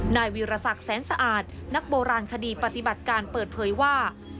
นายวีรศักดิ์แสนสะอาดนักโบราณคดีปฏิบัติการเปิดเผยว่า